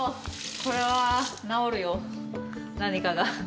これは治るよ何かが。